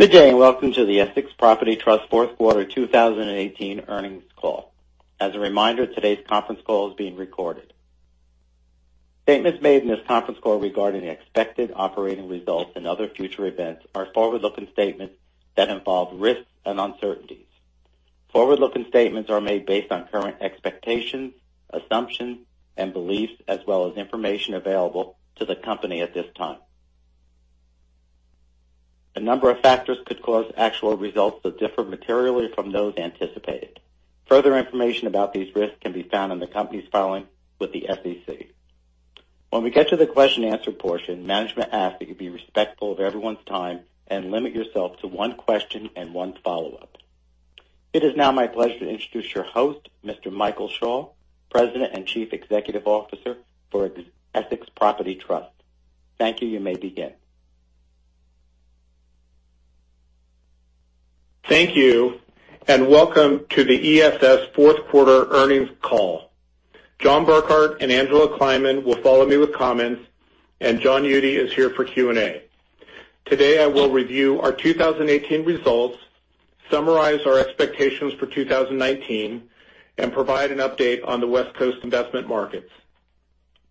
Good day, and welcome to the Essex Property Trust fourth quarter 2018 earnings call. As a reminder, today's conference call is being recorded. Statements made in this conference call regarding expected operating results and other future events are forward-looking statements that involve risks and uncertainties. Forward-looking statements are made based on current expectations, assumptions, and beliefs, as well as information available to the company at this time. A number of factors could cause actual results to differ materially from those anticipated. Further information about these risks can be found in the company's filing with the SEC. When we get to the question and answer portion, management asks that you be respectful of everyone's time and limit yourself to one question and one follow-up. It is now my pleasure to introduce your host, Mr. Michael Schall, President and Chief Executive Officer for Essex Property Trust. Thank you. You may begin. Thank you. Welcome to the ESS fourth quarter earnings call. John Burkart and Angela Kleiman will follow me with comments. John Eudy is here for Q&A. Today, I will review our 2018 results, summarize our expectations for 2019, and provide an update on the West Coast investment markets.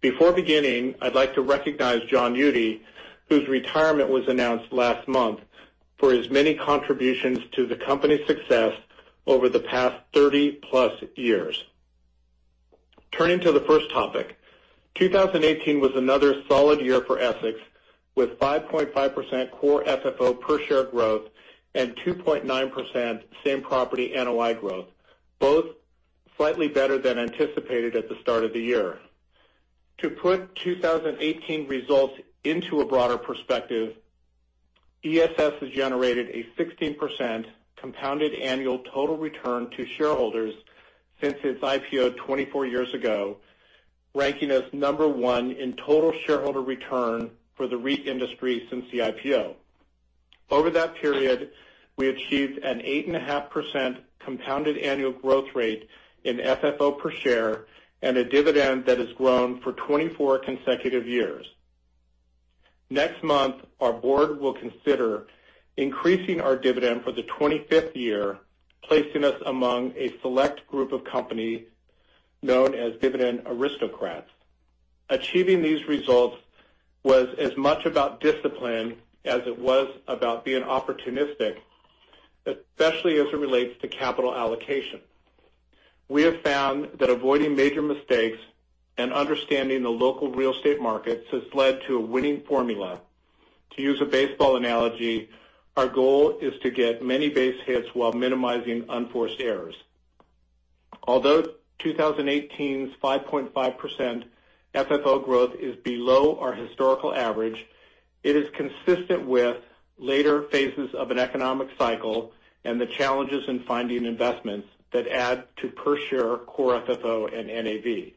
Before beginning, I'd like to recognize John Eudy, whose retirement was announced last month, for his many contributions to the company's success over the past 30-plus years. Turning to the first topic. 2018 was another solid year for Essex, with 5.5% core FFO per share growth and 2.9% same-property NOI growth, both slightly better than anticipated at the start of the year. To put 2018 results into a broader perspective, ESS has generated a 16% compounded annual total return to shareholders since its IPO 24 years ago, ranking us number one in total shareholder return for the REIT industry since the IPO. Over that period, we achieved an 8.5% compounded annual growth rate in FFO per share and a dividend that has grown for 24 consecutive years. Next month, our board will consider increasing our dividend for the 25th year, placing us among a select group of companies known as Dividend Aristocrats. Achieving these results was as much about discipline as it was about being opportunistic, especially as it relates to capital allocation. We have found that avoiding major mistakes and understanding the local real estate markets has led to a winning formula. To use a baseball analogy, our goal is to get many base hits while minimizing unforced errors. 2018's 5.5% FFO growth is below our historical average, it is consistent with later phases of an economic cycle and the challenges in finding investments that add to per-share core FFO and NAV.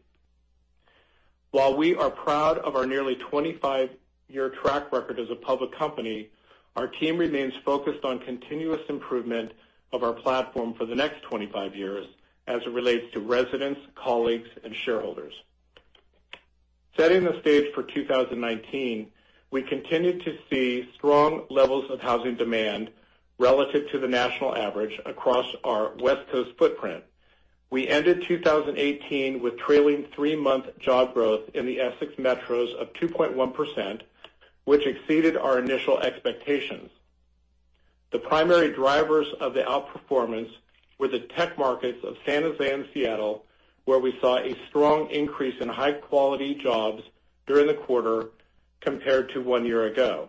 We are proud of our nearly 25-year track record as a public company, our team remains focused on continuous improvement of our platform for the next 25 years as it relates to residents, colleagues, and shareholders. Setting the stage for 2019, we continue to see strong levels of housing demand relative to the national average across our West Coast footprint. We ended 2018 with trailing three-month job growth in the Essex metros of 2.1%, which exceeded our initial expectations. The primary drivers of the outperformance were the tech markets of San Jose and Seattle, where we saw a strong increase in high-quality jobs during the quarter compared to one year ago.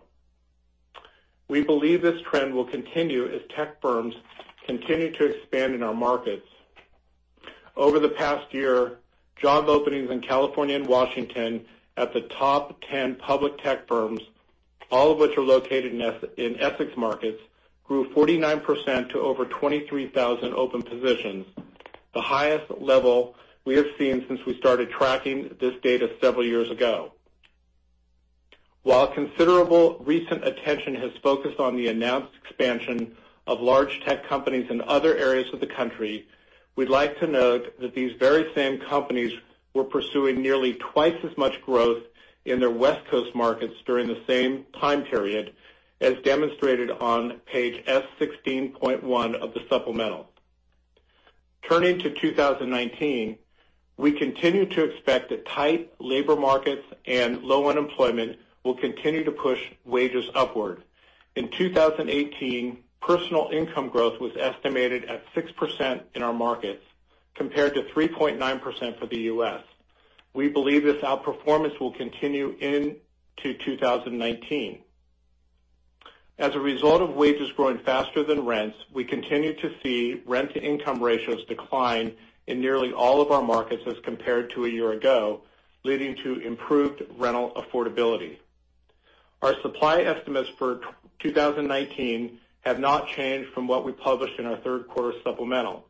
We believe this trend will continue as tech firms continue to expand in our markets. Over the past year, job openings in California and Washington at the top 10 public tech firms, all of which are located in Essex markets, grew 49% to over 23,000 open positions, the highest level we have seen since we started tracking this data several years ago. While considerable recent attention has focused on the announced expansion of large tech companies in other areas of the country, we'd like to note that these very same companies were pursuing nearly twice as much growth in their West Coast markets during the same time period, as demonstrated on page S16.1 of the supplemental. Turning to 2019, we continue to expect that tight labor markets and low unemployment will continue to push wages upward. In 2018, personal income growth was estimated at 6% in our markets, compared to 3.9% for the U.S. We believe this outperformance will continue into 2019. As a result of wages growing faster than rents, we continue to see rent-to-income ratios decline in nearly all of our markets as compared to a year ago, leading to improved rental affordability. Our supply estimates for 2019 have not changed from what we published in our third quarter supplemental.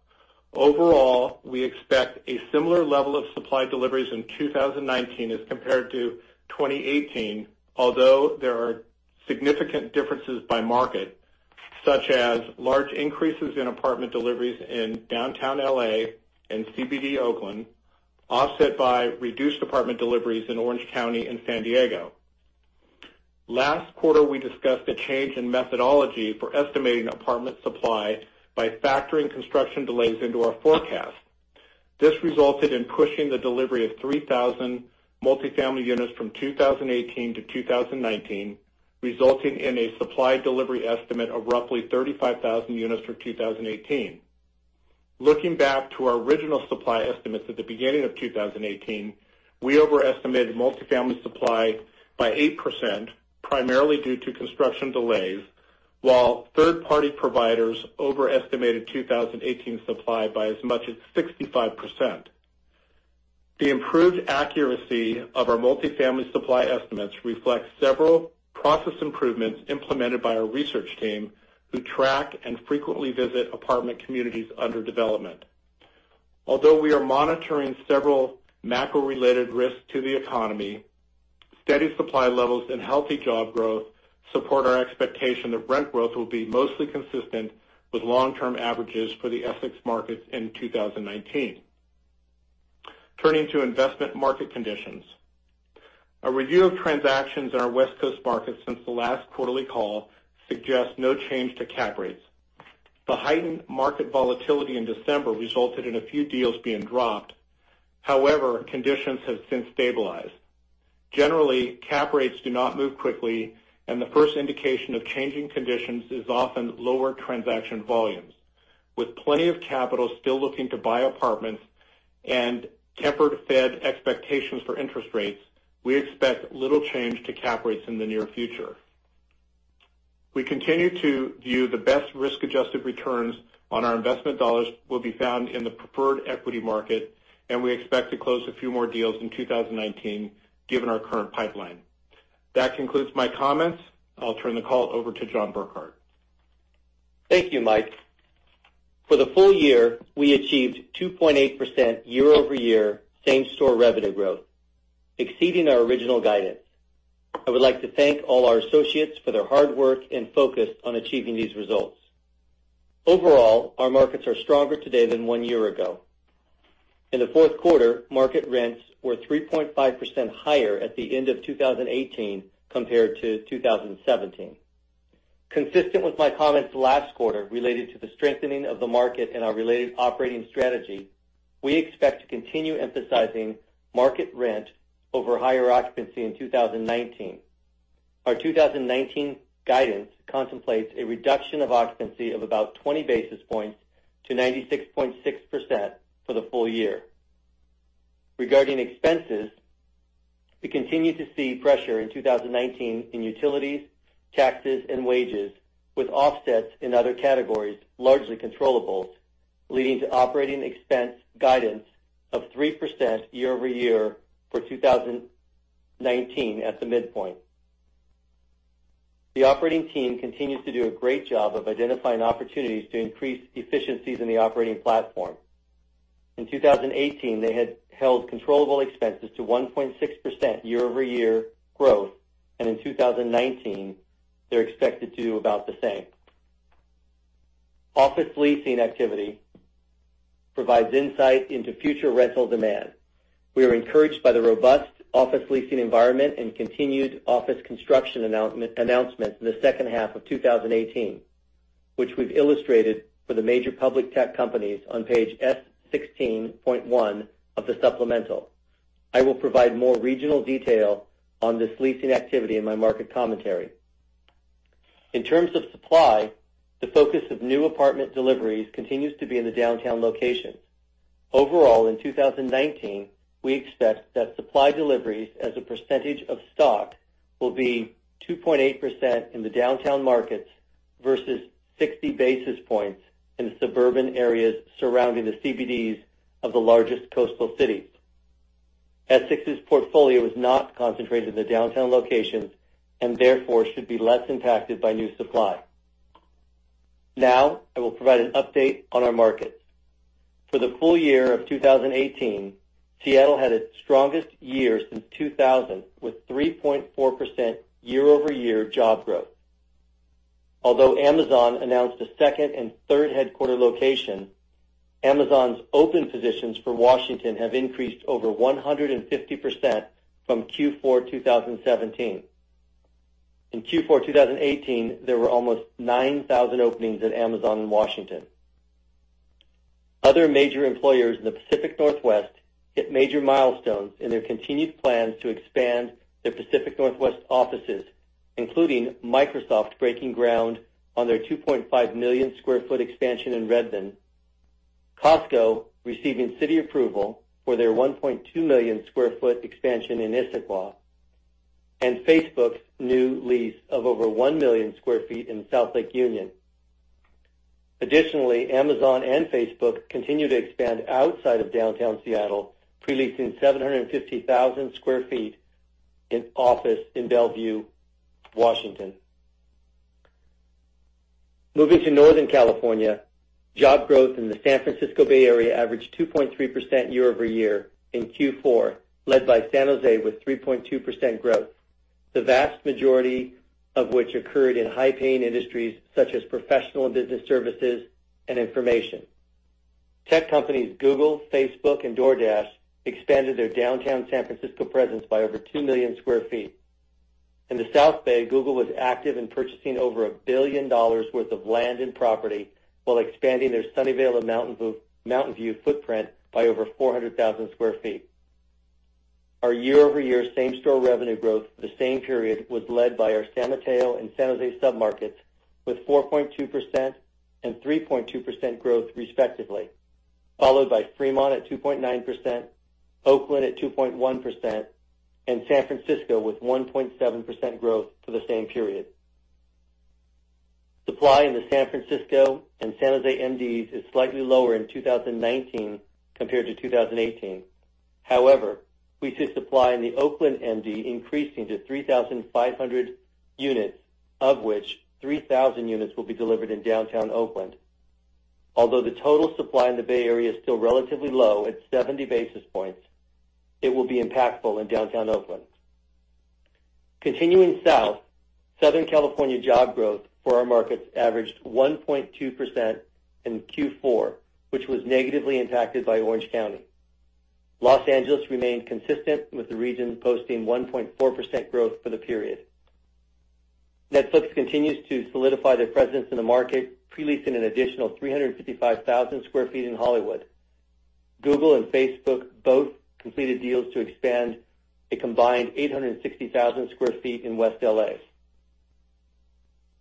Overall, we expect a similar level of supply deliveries in 2019 as compared to 2018, although there are significant differences by market. Such as large increases in apartment deliveries in downtown L.A. and CBD Oakland, offset by reduced apartment deliveries in Orange County and San Diego. Last quarter, we discussed a change in methodology for estimating apartment supply by factoring construction delays into our forecast. This resulted in pushing the delivery of 3,000 multifamily units from 2018-2019, resulting in a supply delivery estimate of roughly 35,000 units for 2018. Looking back to our original supply estimates at the beginning of 2018, we overestimated multifamily supply by 8%, primarily due to construction delays, while third-party providers overestimated 2018 supply by as much as 65%. The improved accuracy of our multifamily supply estimates reflects several process improvements implemented by our research team, who track and frequently visit apartment communities under development. Although we are monitoring several macro-related risks to the economy, steady supply levels and healthy job growth support our expectation that rent growth will be mostly consistent with long-term averages for the Essex markets in 2019. Turning to investment market conditions. A review of transactions in our West Coast markets since the last quarterly call suggests no change to cap rates. The heightened market volatility in December resulted in a few deals being dropped. Conditions have since stabilized. Generally, cap rates do not move quickly, and the first indication of changing conditions is often lower transaction volumes. With plenty of capital still looking to buy apartments and tempered Fed expectations for interest rates, we expect little change to cap rates in the near future. We continue to view the best risk-adjusted returns on our investment dollars will be found in the preferred equity market, and we expect to close a few more deals in 2019 given our current pipeline. That concludes my comments. I'll turn the call over to John Burkart. Thank you, Mike. For the full year, we achieved 2.8% year-over-year same-store revenue growth, exceeding our original guidance. I would like to thank all our associates for their hard work and focus on achieving these results. Overall, our markets are stronger today than one year ago. In the fourth quarter, market rents were 3.5% higher at the end of 2018 compared to 2017. Consistent with my comments last quarter related to the strengthening of the market and our related operating strategy, we expect to continue emphasizing market rent over higher occupancy in 2019. Our 2019 guidance contemplates a reduction of occupancy of about 20 basis points to 96.6% for the full year. Regarding expenses, we continue to see pressure in 2019 in utilities, taxes, and wages, with offsets in other categories, largely controllables, leading to operating expense guidance of 3% year-over-year for 2019 at the midpoint. The operating team continues to do a great job of identifying opportunities to increase efficiencies in the operating platform. In 2018, they had held controllable expenses to 1.6% year-over-year growth. In 2019, they're expected to do about the same. Office leasing activity provides insight into future rental demand. We are encouraged by the robust office leasing environment and continued office construction announcements in the second half of 2018, which we've illustrated for the major public tech companies on page S16.1 of the supplemental. I will provide more regional detail on this leasing activity in my market commentary. In terms of supply, the focus of new apartment deliveries continues to be in the downtown locations. Overall, in 2019, we expect that supply deliveries as a percentage of stock will be 2.8% in the downtown markets versus 60 basis points in suburban areas surrounding the CBDs of the largest coastal cities. Essex's portfolio is not concentrated in the downtown locations and therefore should be less impacted by new supply. Now, I will provide an update on our markets. For the full year of 2018, Seattle had its strongest year since 2000, with 3.4% year-over-year job growth. Although Amazon announced a second and third headquarter location, Amazon's open positions for Washington have increased over 150% from Q4 2017. In Q4 2018, there were almost 9,000 openings at Amazon in Washington. Other major employers in the Pacific Northwest hit major milestones in their continued plans to expand their Pacific Northwest offices, including Microsoft breaking ground on their 2.5 million square feet expansion in Redmond, Costco receiving city approval for their 1.2 million square feet expansion in Issaquah, and Facebook's new lease of over 1 million square feet in South Lake Union. Additionally, Amazon and Facebook continue to expand outside of downtown Seattle, pre-leasing 750,000 sq ft in office in Bellevue, Washington. Moving to Northern California. Job growth in the San Francisco Bay Area averaged 2.3% year-over-year in Q4, led by San Jose with 3.2% growth, the vast majority of which occurred in high-paying industries such as professional business services and information. Tech companies Google, Facebook, and DoorDash expanded their downtown San Francisco presence by over 2 million square feet. In the South Bay, Google was active in purchasing over $1 billion worth of land and property, while expanding their Sunnyvale and Mountain View footprint by over 400,000 sq ft. Our year-over-year same-store revenue growth for the same period was led by our San Mateo and San Jose submarkets, with 4.2% and 3.2% growth respectively, followed by Fremont at 2.9%, Oakland at 2.1%, and San Francisco with 1.7% growth for the same period. Supply in the San Francisco and San Jose MDs is slightly lower in 2019 compared to 2018. We see supply in the Oakland MD increasing to 3,500 units, of which 3,000 units will be delivered in downtown Oakland. Although the total supply in the Bay Area is still relatively low at 70 basis points, it will be impactful in downtown Oakland. Continuing south, Southern California job growth for our markets averaged 1.2% in Q4, which was negatively impacted by Orange County. Los Angeles remained consistent, with the region posting 1.4% growth for the period. Netflix continues to solidify their presence in the market, pre-leasing an additional 355,000 sq ft in Hollywood. Google and Facebook both completed deals to expand a combined 860,000 sq ft in West L.A.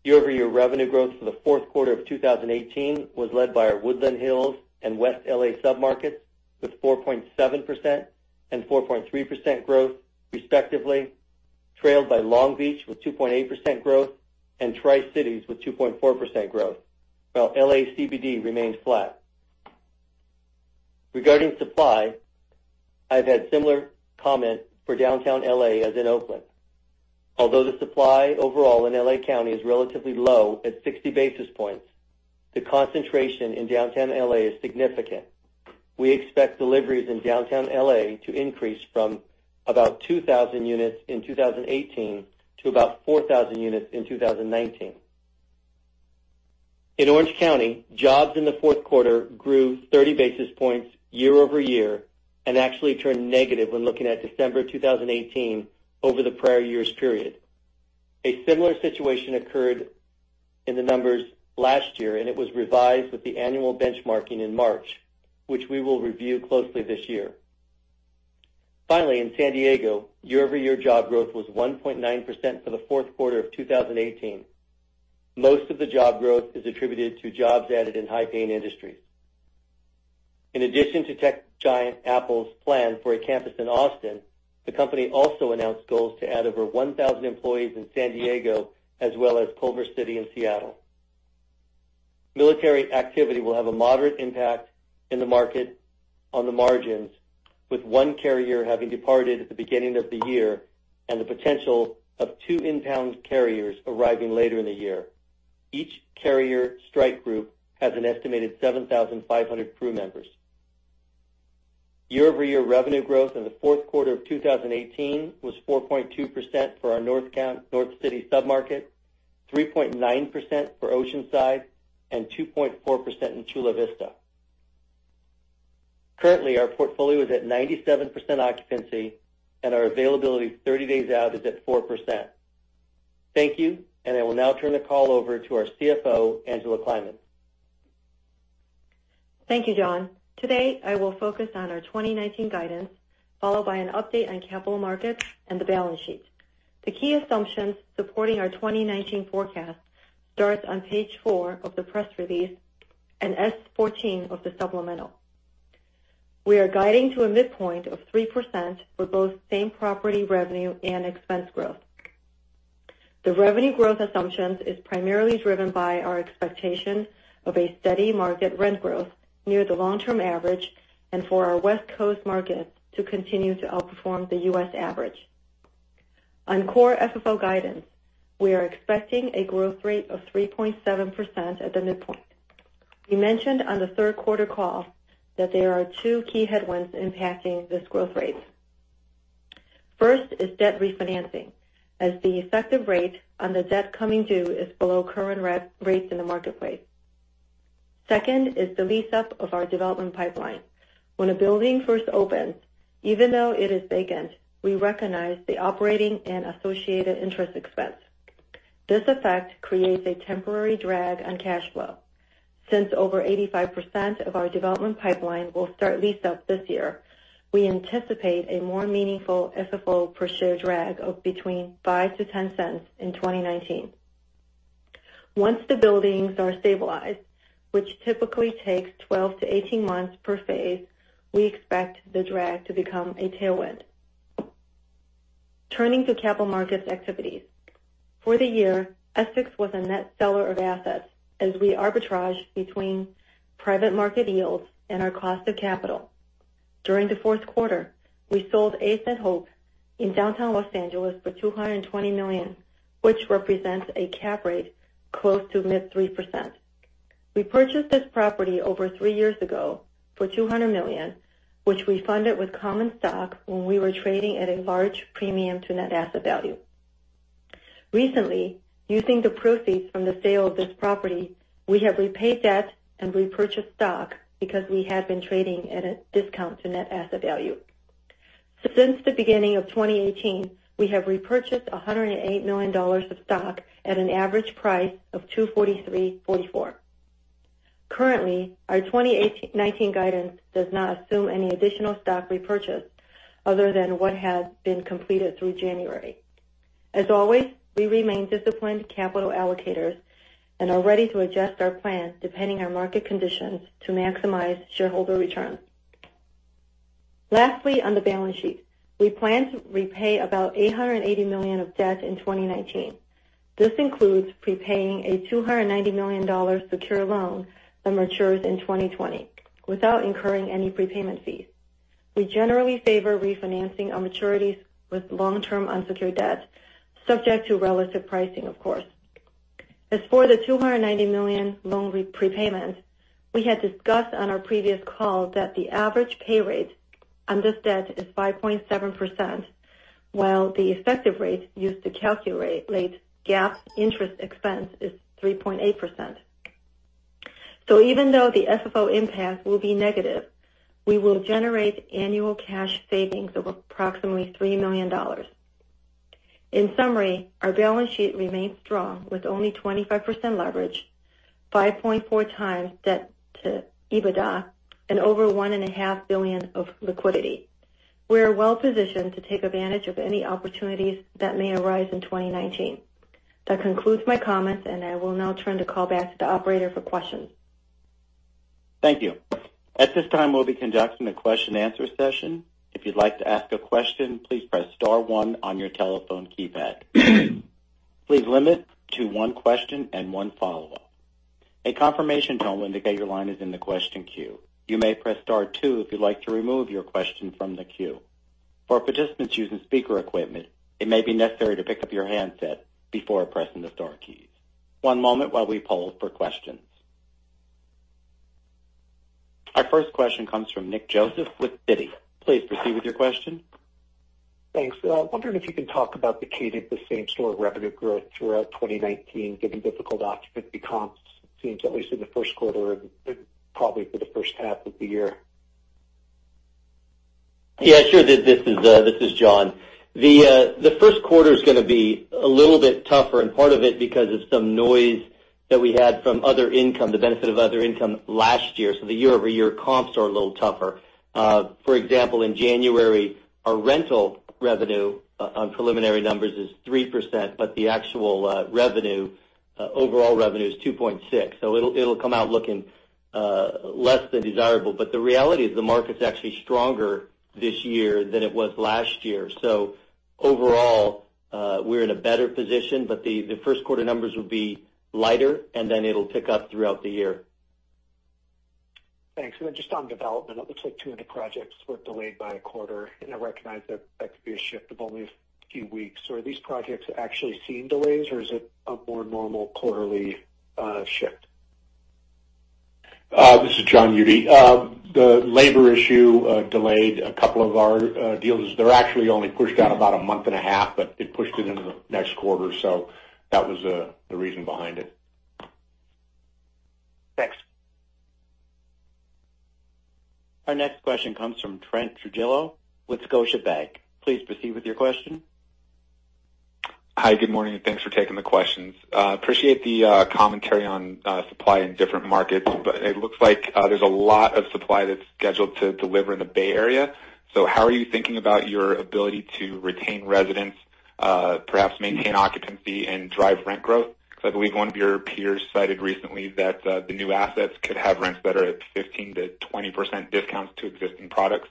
Year-over-year revenue growth for the fourth quarter of 2018 was led by our Woodland Hills and West L.A. submarkets, with 4.7% and 4.3% growth respectively, trailed by Long Beach with 2.8% growth and Tri-Cities with 2.4% growth, while L.A. CBD remains flat. Regarding supply, I've had similar comment for downtown L.A. as in Oakland. Although the supply overall in L.A. County is relatively low at 60 basis points, the concentration in downtown L.A. is significant. We expect deliveries in downtown L.A. to increase from about 2,000 units in 2018 to about 4,000 units in 2019. In Orange County, jobs in the fourth quarter grew 30 basis points year-over-year and actually turned negative when looking at December 2018 over the prior year's period. A similar situation occurred in the numbers last year, and it was revised with the annual benchmarking in March, which we will review closely this year. Finally, in San Diego, year-over-year job growth was 1.9% for the fourth quarter of 2018. Most of the job growth is attributed to jobs added in high-paying industries. In addition to tech giant Apple's plan for a campus in Austin, the company also announced goals to add over 1,000 employees in San Diego, as well as Culver City and Seattle. Military activity will have a moderate impact in the market on the margins, with one carrier having departed at the beginning of the year and the potential of two inbound carriers arriving later in the year. Each carrier strike group has an estimated 7,500 crew members. Year-over-year revenue growth in the fourth quarter of 2018 was 4.2% for our North City submarket, 3.9% for Oceanside, and 2.4% in Chula Vista. Currently, our portfolio is at 97% occupancy, and our availability 30 days out is at 4%. Thank you, and I will now turn the call over to our CFO, Angela Kleiman. Thank you, John. Today, I will focus on our 2019 guidance, followed by an update on capital markets and the balance sheet. The key assumptions supporting our 2019 forecast starts on page four of the press release and S-14 of the supplemental. We are guiding to a midpoint of 3% for both same-property revenue and expense growth. The revenue growth assumptions is primarily driven by our expectation of a steady market rent growth near the long-term average and for our West Coast market to continue to outperform the U.S. average. On core FFO guidance, we are expecting a growth rate of 3.7% at the midpoint. We mentioned on the third quarter call that there are two key headwinds impacting this growth rate. First is debt refinancing, as the effective rate on the debt coming due is below current rates in the marketplace. Second is the lease-up of our development pipeline. When a building first opens, even though it is vacant, we recognize the operating and associated interest expense. This effect creates a temporary drag on cash flow. Since over 85% of our development pipeline will start lease-up this year, we anticipate a more meaningful FFO-per-share drag of between $0.05-$0.10 in 2019. Once the buildings are stabilized, which typically takes 12-18 months per phase, we expect the drag to become a tailwind. Turning to capital markets activities. For the year, Essex was a net seller of assets as we arbitraged between private market yields and our cost of capital. During the fourth quarter, we sold 8th and Hope in downtown L.A. for $220 million, which represents a cap rate close to mid 3%. We purchased this property over three years ago for $200 million, which we funded with common stock when we were trading at a large premium to net asset value. Recently, using the proceeds from the sale of this property, we have repaid debt and repurchased stock because we have been trading at a discount to net asset value. Since the beginning of 2018, we have repurchased $108 million of stock at an average price of $243.44. Currently, our 2019 guidance does not assume any additional stock repurchase other than what has been completed through January. As always, we remain disciplined capital allocators and are ready to adjust our plans depending on market conditions to maximize shareholder returns. Lastly, on the balance sheet, we plan to repay about $880 million of debt in 2019. This includes prepaying a $290 million secure loan that matures in 2020 without incurring any prepayment fees. We generally favor refinancing on maturities with long-term unsecured debt, subject to relative pricing, of course. As for the $290 million loan prepayment, we had discussed on our previous call that the average pay rate on this debt is 5.7%, while the effective rate used to calculate GAAP interest expense is 3.8%. Even though the FFO impact will be negative, we will generate annual cash savings of approximately $3 million. In summary, our balance sheet remains strong with only 25% leverage, 5.4x debt to EBITDA, and over $1.5 billion of liquidity. We are well-positioned to take advantage of any opportunities that may arise in 2019. That concludes my comments, and I will now turn the call back to the operator for questions. Thank you. At this time, we'll be conducting a question and answer session. If you'd like to ask a question, please press star one on your telephone keypad. Please limit to one question and one follow-up. A confirmation tone will indicate your line is in the question queue. You may press star two if you'd like to remove your question from the queue. For participants using speaker equipment, it may be necessary to pick up your handset before pressing the star keys. One moment while we poll for questions. Our first question comes from Nick Joseph with Citi. Please proceed with your question. Thanks. I was wondering if you can talk about the cadence of seeing similar revenue growth throughout 2019, given difficult occupant comps, at least in the first quarter and probably for the first half of the year. Yeah, sure. This is John. The first quarter's going to be a little bit tougher, part of it because of some noise that we had from other income, the benefit of other income last year. The year-over-year comps are a little tougher. For example, in January, our rental revenue on preliminary numbers is 3%, but the actual overall revenue is 2.6%. It'll come out looking less than desirable. The reality is the market's actually stronger this year than it was last year. Overall, we're in a better position, but the first quarter numbers will be lighter, and then it'll pick up throughout the year. Thanks. Just on development, it looks like two of the projects were delayed by a quarter, and I recognize that that could be a shift of only a few weeks. Are these projects actually seeing delays, or is it a more normal quarterly shift? This is John Eudy. The labor issue delayed a couple of our deals. They're actually only pushed out about a month and a half, but it pushed it into the next quarter. That was the reason behind it. Thanks. Our next question comes from Trent Trujillo with Scotiabank. Please proceed with your question. Hi, good morning, thanks for taking the questions. Appreciate the commentary on supply in different markets, but it looks like there's a lot of supply that's scheduled to deliver in the Bay Area. How are you thinking about your ability to retain residents, perhaps maintain occupancy and drive rent growth? Because I believe one of your peers cited recently that the new assets could have rents that are at 15%-20% discounts to existing products.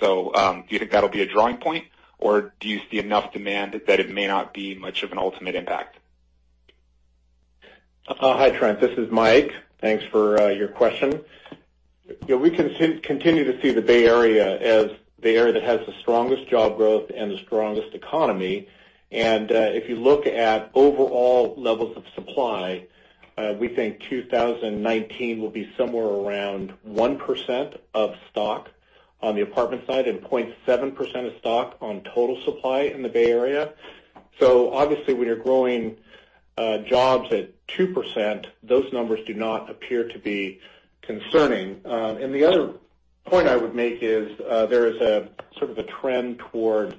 Do you think that'll be a drawing point, or do you see enough demand that it may not be much of an ultimate impact? Hi, Trent. This is Mike. Thanks for your question. We continue to see the Bay Area as the area that has the strongest job growth and the strongest economy. If you look at overall levels of supply, we think 2019 will be somewhere around 1% of stock on the apartment side and 0.7% of stock on total supply in the Bay Area. Obviously, when you're growing jobs at 2%, those numbers do not appear to be concerning. The other point I would make is, there is sort of a trend toward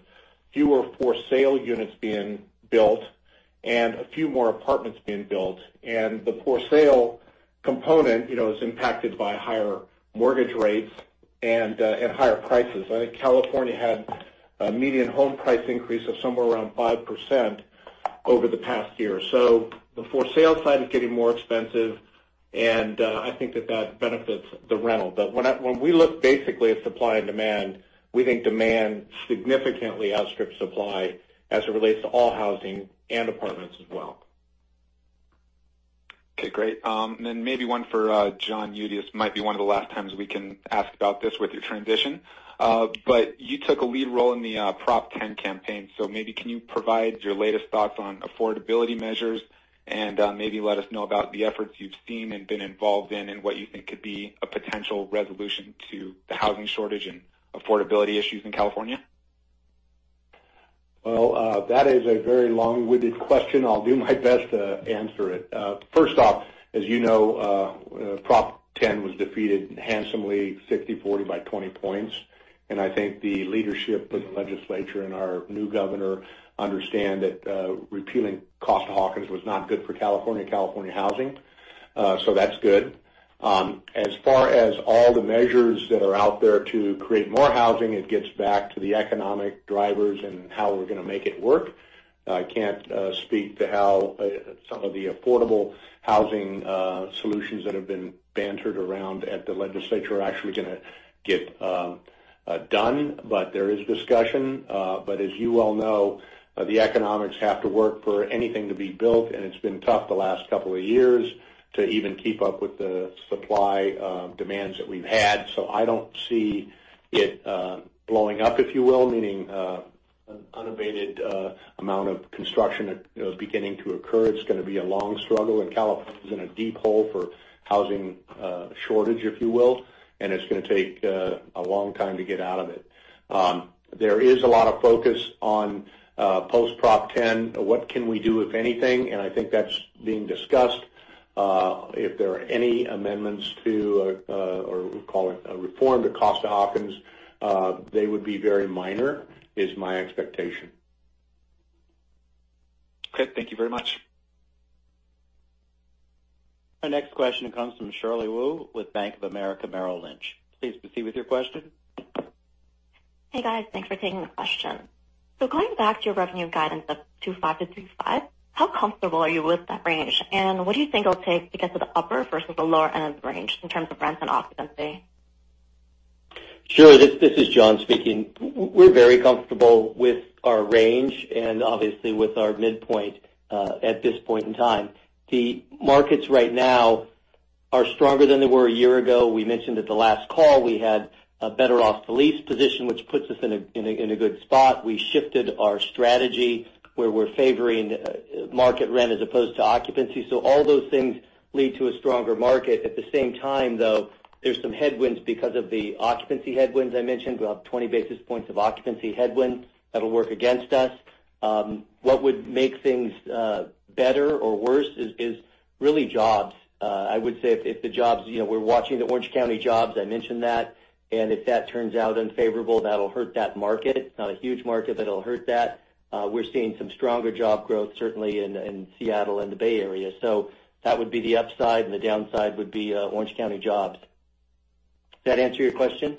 fewer for sale units being built and a few more apartments being built. The for sale component is impacted by higher mortgage rates and higher prices. I think California had a median home price increase of somewhere around 5% over the past year. The for sale side is getting more expensive, and I think that that benefits the rental. When we look basically at supply and demand, we think demand significantly outstrips supply as it relates to all housing and apartments as well. Okay, great. Maybe one for John Eudy. This might be one of the last times we can ask about this with your transition. You took a lead role in the Prop 10 campaign, so maybe can you provide your latest thoughts on affordability measures and maybe let us know about the efforts you've seen and been involved in, and what you think could be a potential resolution to the housing shortage and affordability issues in California? Well, that is a very long-winded question. I'll do my best to answer it. First off, as you know, Prop 10 was defeated handsomely, 60/40 by 20 points, and I think the leadership of the legislature and our new governor understand that repealing Costa-Hawkins was not good for California housing. That's good. As far as all the measures that are out there to create more housing, it gets back to the economic drivers and how we're going to make it work. I can't speak to how some of the affordable housing solutions that have been bantered around at the legislature are actually going to get done, but there is discussion. As you well know, the economics have to work for anything to be built, and it's been tough the last couple of years to even keep up with the supply demands that we've had. I don't see it blowing up, if you will, meaning an unabated amount of construction beginning to occur. It's going to be a long struggle, and California's in a deep hole for housing shortage, if you will, and it's going to take a long time to get out of it. There is a lot of focus on post-Prop 10, what can we do, if anything? I think that's being discussed. If there are any amendments to, or we call it a reform to Costa-Hawkins, they would be very minor, is my expectation. Great. Thank you very much. Our next question comes from Shirley Wu with Bank of America Merrill Lynch. Please proceed with your question. Hey, guys. Thanks for taking the question. Going back to your revenue guidance of 2.5%-3.5%, how comfortable are you with that range, and what do you think it'll take to get to the upper versus the lower end of the range in terms of rents and occupancy? Shirley, this is John speaking. We're very comfortable with our range and obviously with our midpoint at this point in time. The markets right now are stronger than they were a year ago. We mentioned at the last call, we had a better off the lease position, which puts us in a good spot. We shifted our strategy where we're favoring market rent as opposed to occupancy. All those things lead to a stronger market. At the same time, though, there's some headwinds because of the occupancy headwinds I mentioned. We have 20 basis points of occupancy headwinds that'll work against us. What would make things better or worse is really jobs. We're watching the Orange County jobs, I mentioned that, and if that turns out unfavorable, that'll hurt that market. It's not a huge market, but it'll hurt that. We're seeing some stronger job growth, certainly in Seattle and the Bay Area. That would be the upside, and the downside would be Orange County jobs. Does that answer your question?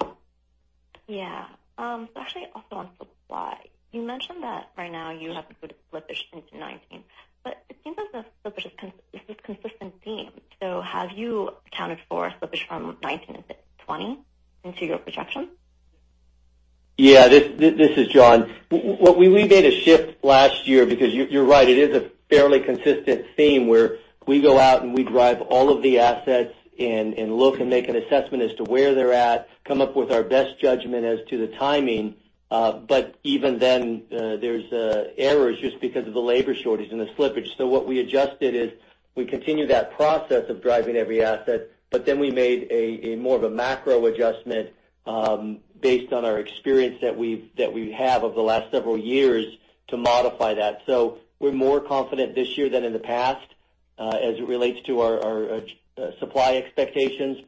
Yeah. Actually, also on supply. You mentioned that right now you have a bit of slippage into 2019, but it seems like the slippage is this consistent theme. Have you accounted for a slippage from 2019-2020 into your projection? Yeah. This is John. We made a shift last year because you're right, it is a fairly consistent theme where we go out and we drive all of the assets and look and make an assessment as to where they're at, come up with our best judgment as to the timing. Even then, there's errors just because of the labor shortage and the slippage. What we adjusted is we continue that process of driving every asset, but then we made a more of a macro adjustment, based on our experience that we have over the last several years to modify that. We're more confident this year than in the past, as it relates to our supply expectations.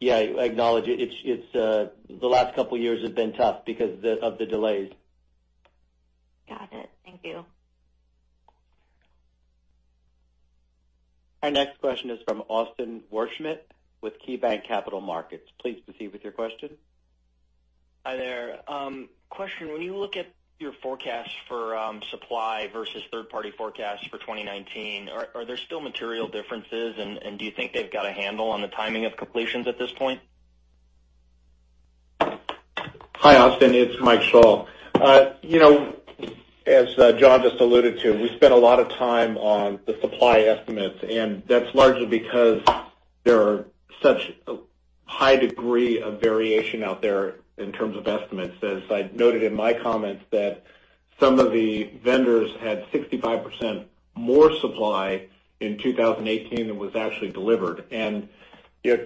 Yeah, I acknowledge it. The last couple of years have been tough because of the delays. Got it. Thank you. Our next question is from Austin Wurschmidt with KeyBanc Capital Markets. Please proceed with your question. Hi there. Question: When you look at your forecast for supply versus third-party forecasts for 2019, are there still material differences, and do you think they've got a handle on the timing of completions at this point? Hi, Austin. It's Mike Schall. As John just alluded to, we spent a lot of time on the supply estimates, and that's largely because there are such a high degree of variation out there in terms of estimates. As I noted in my comments that some of the vendors had 65% more supply in 2018 than was actually delivered.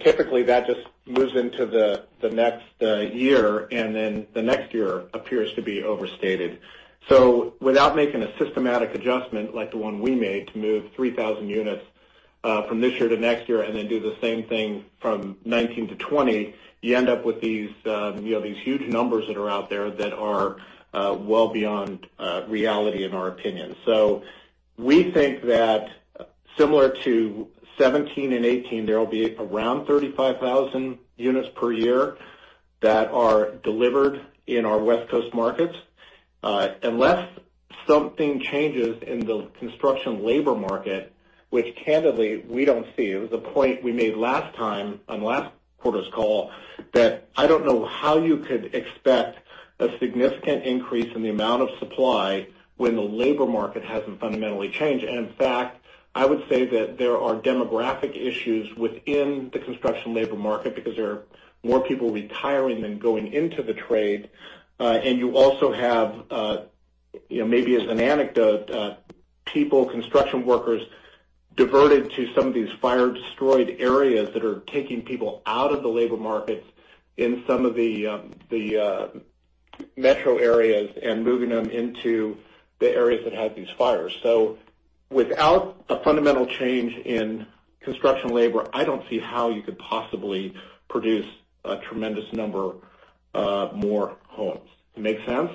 Typically, that just moves into the next year, and then the next year appears to be overstated. Without making a systematic adjustment like the one we made to move 3,000 units from this year to next year and then do the same thing from 2019-2020, you end up with these huge numbers that are out there that are well beyond reality in our opinion. We think that similar to 2017 and 2018, there will be around 35,000 units per year that are delivered in our West Coast markets. Unless something changes in the construction labor market, which candidly, we don't see. It was a point we made last time on last quarter's call. That I don't know how you can expect a significant increase in the amount of supply when the labor market hasn't fundamentally changed. In fact, I would say that there are demographic issues within the construction labor market because there are more people retiring than going into the trade. You also have, maybe as an anecdote, construction workers diverted to some of these fire-destroyed areas that are taking people out of the labor markets in some of the metro areas and moving them into the areas that had these fires. Without a fundamental change in construction labor, I don't see how you could possibly produce a tremendous number of more homes. Make sense?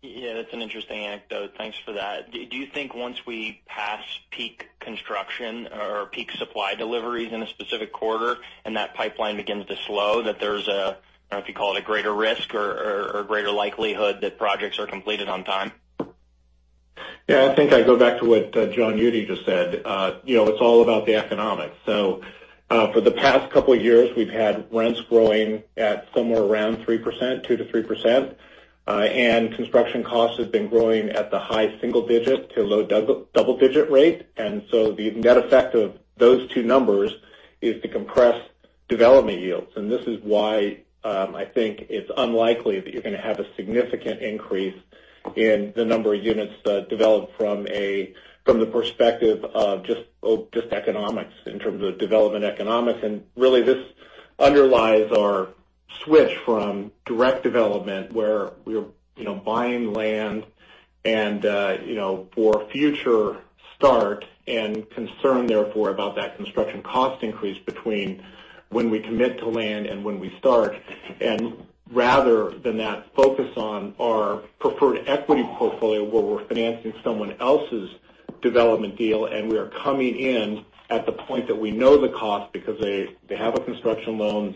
Yeah, that's an interesting anecdote. Thanks for that. Do you think once we pass peak construction or peak supply deliveries in a specific quarter, that pipeline begins to slow, that there's a, I don't know if you'd call it a greater risk or greater likelihood that projects are completed on time? Yeah, I think I go back to what John Eudy just said. It's all about the economics. For the past couple of years, we've had rents growing at somewhere around 3%, 2%-3%, construction costs have been growing at the high single digit to low double digit rate. The net effect of those two numbers is to compress development yields. This is why I think it's unlikely that you're going to have a significant increase in the number of units developed from the perspective of just economics in terms of development economics. Really, this underlies our switch from direct development where we're buying land for future start and concern, therefore, about that construction cost increase between when we commit to land and when we start. Rather than that, focus on our preferred equity portfolio, where we're financing someone else's development deal, we are coming in at the point that we know the cost because they have the construction loans,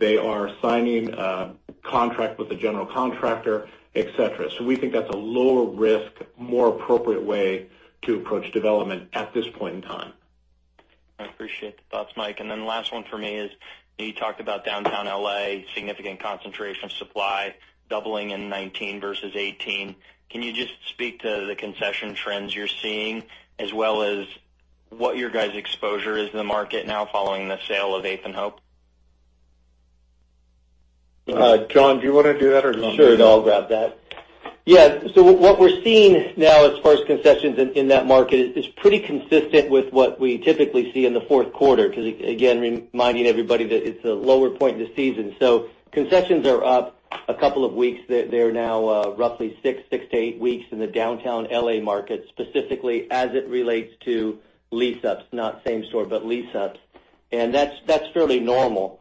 they are signing a contract with the general contractor, et cetera. We think that's a lower risk, more appropriate way to approach development at this point in time. I appreciate the thoughts, Mike. Last one for me is, you talked about downtown L.A., significant concentration of supply doubling in 2019 versus 2018. Can you just speak to the concession trends you're seeing as well as what your guys' exposure is in the market now following the sale of 8th and Hope? John, do you want to do that, or you want me to- Sure. I'll grab that. Yeah. What we're seeing now as far as concessions in that market is pretty consistent with what we typically see in the fourth quarter, because, again, reminding everybody that it's a lower point in the season. Concessions are up a couple of weeks. They're now roughly six to eight weeks in the downtown L.A. market, specifically as it relates to lease-ups, not same store, but lease-ups. That's fairly normal.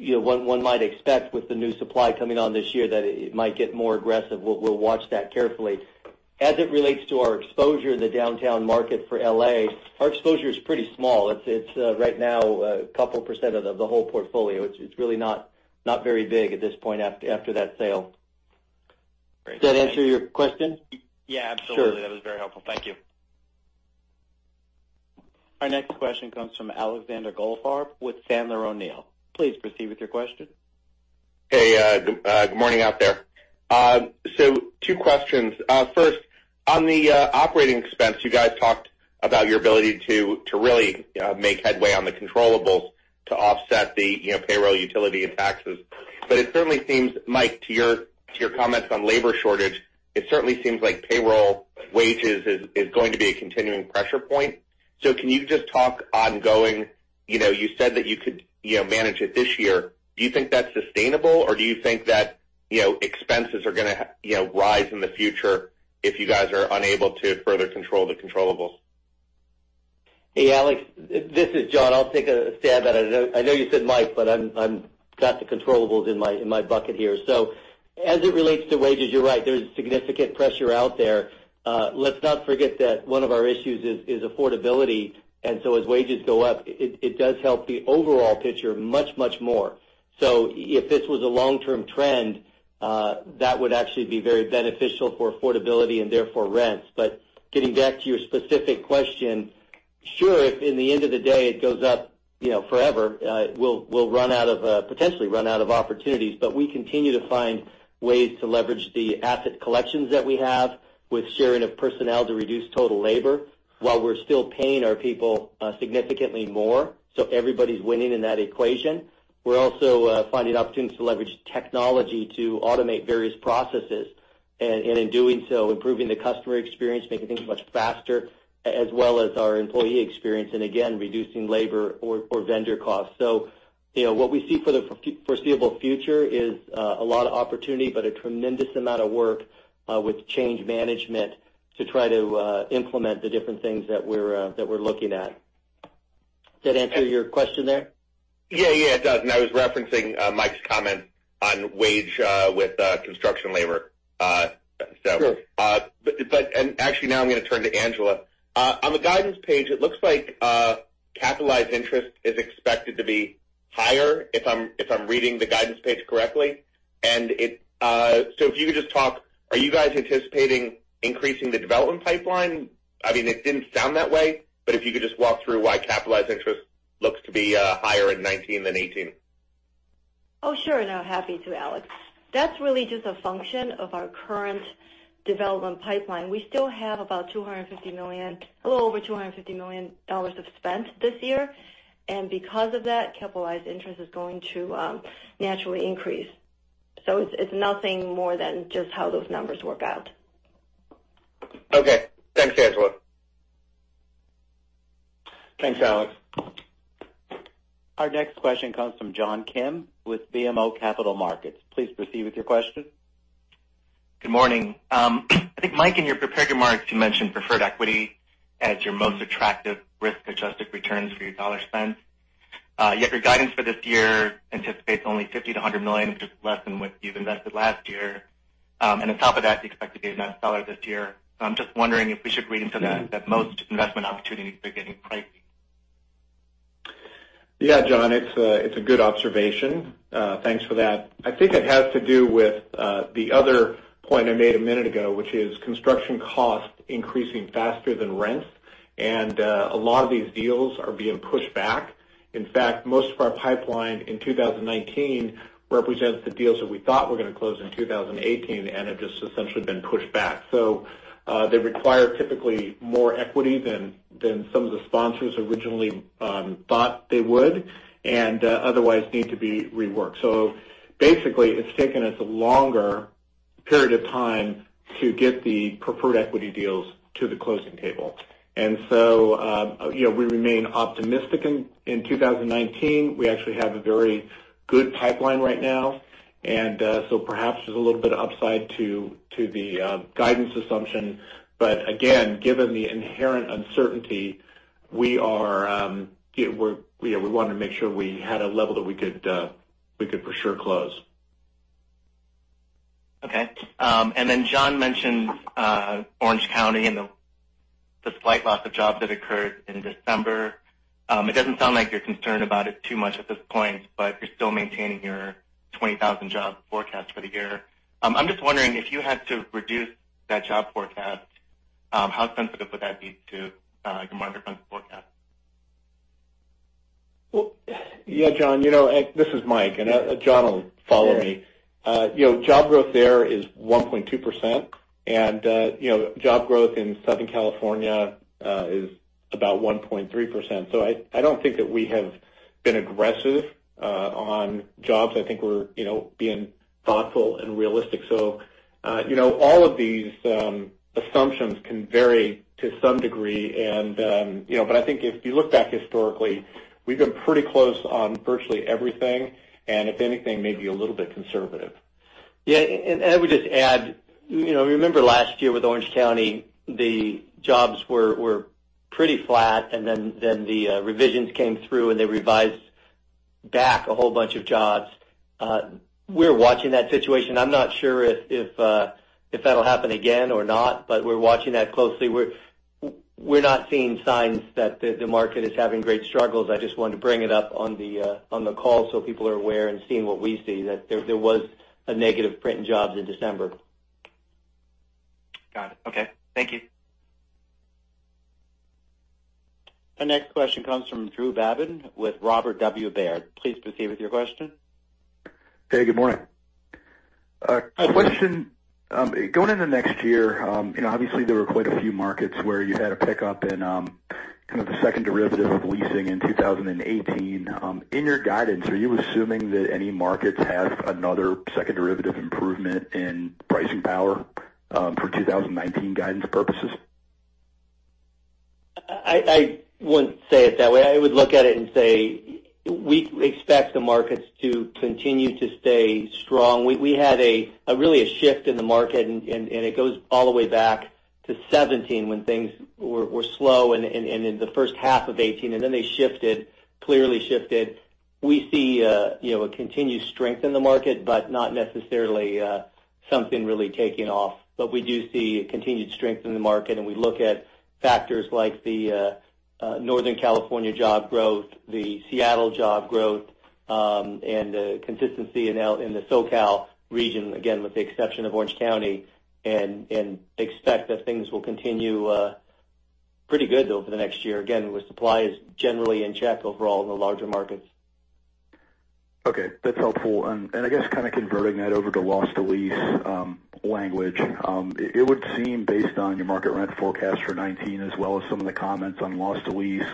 One might expect with the new supply coming on this year that it might get more aggressive. We'll watch that carefully. As it relates to our exposure in the downtown market for L.A., our exposure is pretty small. It's right now 2% of the whole portfolio. It's really not very big at this point after that sale. Great. Does that answer your question? Yeah, absolutely. Sure. That was very helpful. Thank you. Our next question comes from Alexander Goldfarb with Sandler O'Neill. Please proceed with your question. Hey, good morning out there. Two questions. First, on the operating expense, you guys talked about your ability to really make headway on the controllables to offset the payroll, utility, and taxes. It certainly seems, Mike, to your comments on labor shortage, it certainly seems like payroll wages is going to be a continuing pressure point. Can you just talk? You said that you could manage it this year. Do you think that's sustainable, or do you think that expenses are going to rise in the future if you guys are unable to further control the controllables? Hey, Alex. This is John. I'll take a stab at it. I know you said Mike, but I've got the controllables in my bucket here. As it relates to wages, you're right, there's significant pressure out there. Let's not forget that one of our issues is affordability, as wages go up, it does help the overall picture much, much more. If this was a long-term trend, that would actually be very beneficial for affordability and therefore rents. Getting back to your specific question, sure, if in the end of the day it goes up forever, we'll potentially run out of opportunities. We continue to find ways to leverage the asset collections that we have with sharing of personnel to reduce total labor while we're still paying our people significantly more. Everybody's winning in that equation. We're also finding opportunities to leverage technology to automate various processes, in doing so, improving the customer experience, making things much faster, as well as our employee experience, again, reducing labor or vendor costs. What we see for the foreseeable future is a lot of opportunity, but a tremendous amount of work with change management to try to implement the different things that we're looking at. Does that answer your question there? Yeah, it does. I was referencing Mike's comment on wage with construction labor. Sure. Actually, now I'm going to turn to Angela. On the guidance page, it looks like capitalized interest is expected to be higher, if I'm reading the guidance page correctly. If you could just talk, are you guys anticipating increasing the development pipeline? It didn't sound that way, but if you could just walk through why capitalized interest- Looks to be higher in 2019 than 2018. Oh, sure. No, happy to, Alex. That's really just a function of our current development pipeline. We still have a little over $250 million of spend this year, because of that, capitalized interest is going to naturally increase. It's nothing more than just how those numbers work out. Okay. Thanks, Angela. Thanks, Alex. Our next question comes from John Kim with BMO Capital Markets. Please proceed with your question. Good morning. I think, Mike, in your prepared remarks, you mentioned preferred equity as your most attractive risk-adjusted returns for your dollar spend. Your guidance for this year anticipates only $50 million-$100 million, which is less than what you've invested last year. On top of that, you expect to be net seller this year. I'm just wondering if we should read into that most investment opportunities are getting pricey. Yeah, John, it's a good observation. Thanks for that. I think it has to do with the other point I made a minute ago, which is construction costs increasing faster than rents, and a lot of these deals are being pushed back. In fact, most of our pipeline in 2019 represents the deals that we thought were going to close in 2018 and have just essentially been pushed back. They require typically more equity than some of the sponsors originally thought they would and otherwise need to be reworked. Basically, it's taken us a longer period of time to get the preferred equity deals to the closing table. We remain optimistic in 2019. We actually have a very good pipeline right now, perhaps there's a little bit of upside to the guidance assumption. Again, given the inherent uncertainty, we want to make sure we had a level that we could for sure close. Okay. John mentioned Orange County and the slight loss of jobs that occurred in December. It doesn't sound like you're concerned about it too much at this point, but you're still maintaining your 20,000-job forecast for the year. I'm just wondering if you had to reduce that job forecast, how sensitive would that be to your market rent forecast? Yeah, John. This is Mike, and John will follow me. Job growth there is 1.2%, and job growth in Southern California is about 1.3%. I don't think that we have been aggressive on jobs. I think we're being thoughtful and realistic. All of these assumptions can vary to some degree, but I think if you look back historically, we've been pretty close on virtually everything, and if anything, maybe a little bit conservative. Yeah. I would just add, remember last year with Orange County, the jobs were pretty flat, and then the revisions came through, and they revised back a whole bunch of jobs. We're watching that situation. I'm not sure if that'll happen again or not, but we're watching that closely. We're not seeing signs that the market is having great struggles. I just wanted to bring it up on the call so people are aware and seeing what we see, that there was a negative print in jobs in December. Got it. Okay. Thank you. Our next question comes from Drew Babin with Robert W. Baird. Please proceed with your question. Hey, good morning. A question. Going into next year, obviously there were quite a few markets where you had a pickup in kind of the second derivative of leasing in 2018. In your guidance, are you assuming that any markets have another second derivative improvement in pricing power for 2019 guidance purposes? I wouldn't say it that way. I would look at it say we expect the markets to continue to stay strong. We had really a shift in the market, it goes all the way back to 2017 when things were slow in the first half of 2018, then they shifted, clearly shifted. We see a continued strength in the market, not necessarily something really taking off. We do see continued strength in the market, we look at factors like the Northern California job growth, the Seattle job growth, and the consistency in the SoCal region, again, with the exception of Orange County, expect that things will continue pretty good over the next year, again, with supply is generally in check overall in the larger markets. Okay, that's helpful. I guess kind of converting that over to loss to lease language. It would seem, based on your market rent forecast for 2019 as well as some of the comments on loss to lease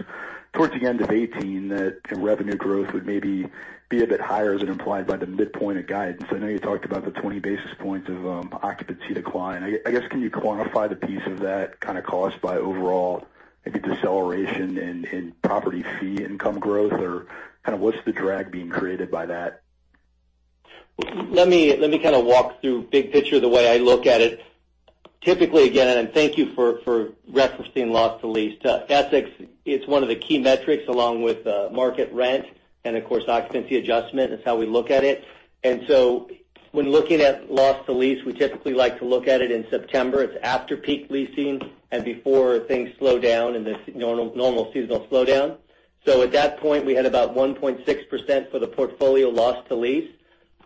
towards the end of 2018, that revenue growth would maybe be a bit higher than implied by the midpoint of guidance. I know you talked about the 20 basis points of occupancy decline. I guess, can you quantify the piece of that kind of cost by overall maybe deceleration in property fee income growth? What's the drag being created by that? Let me kind of walk through big picture the way I look at it. Typically, again, thank you for referencing loss to lease. To Essex, it's one of the key metrics along with market rent and, of course, occupancy adjustment is how we look at it. When looking at loss to lease, we typically like to look at it in September. It's after peak leasing and before things slow down in the normal seasonal slowdown. At that point, we had about 1.6% for the portfolio loss to lease.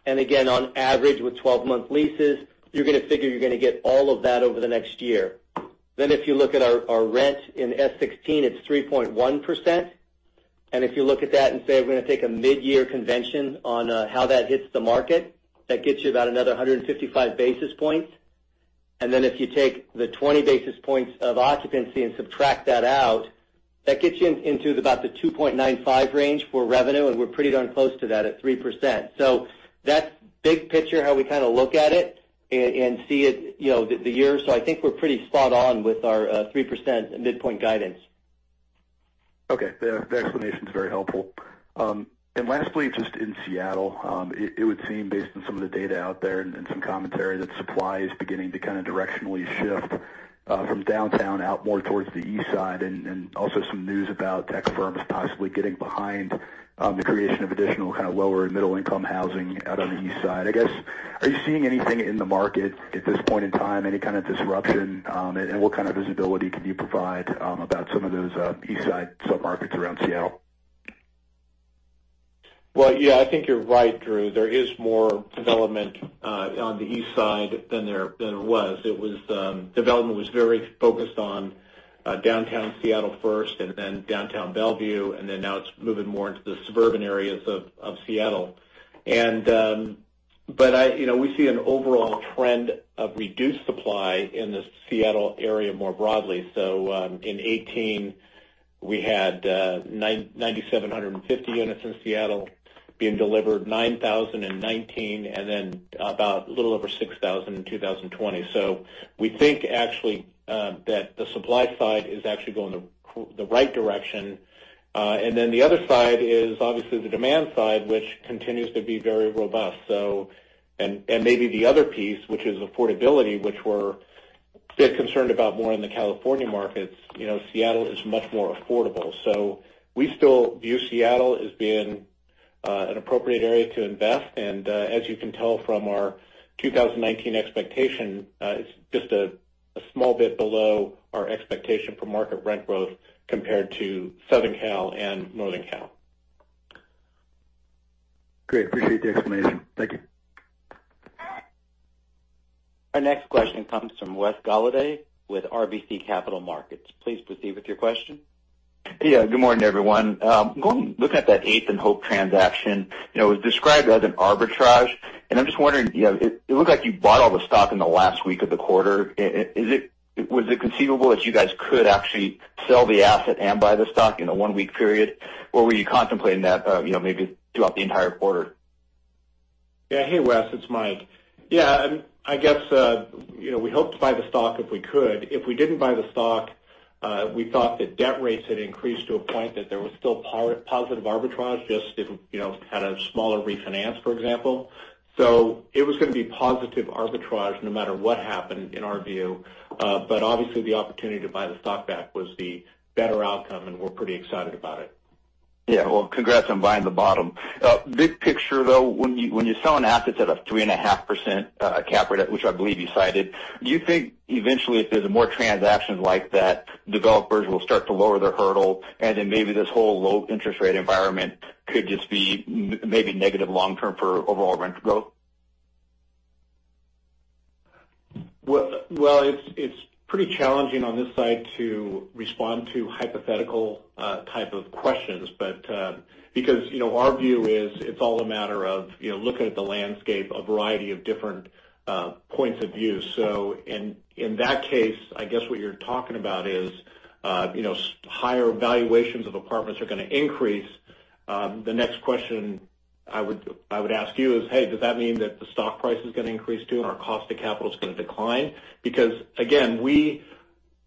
Again, on average, with 12-month leases, you're going to figure you're going to get all of that over the next year. Then if you look at our rent in S16, it's 3.1%. If you look at that and say we're going to take a mid-year convention on how that hits the market, that gets you about another 155 basis points. If you take the 20 basis points of occupancy and subtract that out, that gets you into about the 2.95 range for revenue, and we're pretty darn close to that at 3%. That's big picture, how we kind of look at it and see it, the year. I think we're pretty spot on with our 3% midpoint guidance. Okay. The explanation's very helpful. Lastly, just in Seattle, it would seem based on some of the data out there and some commentary, that supply is beginning to kind of directionally shift from downtown out more towards the east side, and also some news about tech firms possibly getting behind the creation of additional kind of lower- and middle-income housing out on the east side. I guess, are you seeing anything in the market at this point in time, any kind of disruption? What kind of visibility can you provide about some of those east side sub-markets around Seattle? Well, yeah, I think you're right, Drew. There is more development on the east side than there was. Development was very focused on downtown Seattle first and then downtown Bellevue, and then now it's moving more into the suburban areas of Seattle. We see an overall trend of reduced supply in the Seattle area more broadly. In 2018, we had 9,750 units in Seattle being delivered, 9,000 in 2019, and then about a little over 6,000 in 2020. We think, actually, that the supply side is actually going the right direction. The other side is obviously the demand side, which continues to be very robust. Maybe the other piece, which is affordability, which we're a bit concerned about more in the California markets, Seattle is much more affordable. We still view Seattle as being an appropriate area to invest. As you can tell from our 2019 expectation, it's just a small bit below our expectation for market rent growth compared to Southern Cal and Northern Cal. Great. Appreciate the explanation. Thank you. Our next question comes from Wes Golladay with RBC Capital Markets. Please proceed with your question. Yeah. Good morning, everyone. Going look at that 8th and Hope transaction, it was described as an arbitrage, and I'm just wondering, it looked like you bought all the stock in the last week of the quarter. Was it conceivable that you guys could actually sell the asset and buy the stock in a one-week period? Were you contemplating that maybe throughout the entire quarter? Yeah. Hey, Wes, it's Mike. I guess, we hoped to buy the stock if we could. If we didn't buy the stock, we thought that debt rates had increased to a point that there was still positive arbitrage, just if kind of smaller refinance, for example. It was going to be positive arbitrage no matter what happened in our view. Obviously the opportunity to buy the stock back was the better outcome, and we're pretty excited about it. Well, congrats on buying the bottom. Big picture, though, when you sell an asset at a 3.5% cap rate, which I believe you cited, do you think eventually if there's more transactions like that, developers will start to lower their hurdle, and then maybe this whole low interest rate environment could just be maybe negative long term for overall rent growth? Well, it's pretty challenging on this side to respond to hypothetical type of questions, because our view is it's all a matter of looking at the landscape, a variety of different points of view. In that case, I guess what you're talking about is higher valuations of apartments are going to increase. The next question I would ask you is, hey, does that mean that the stock price is going to increase too, and our cost of capital's going to decline? Again, we